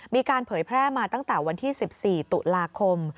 เผยแพร่มาตั้งแต่วันที่๑๔ตุลาคม